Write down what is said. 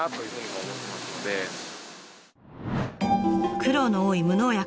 苦労の多い無農薬。